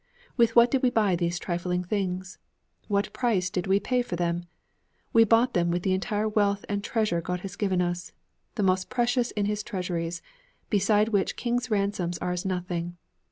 With what did we buy these trifling things? What price did we pay for them? We bought them with the entire wealth and treasure God had given us the most precious in his treasuries, beside which kings' ransoms are as nothing.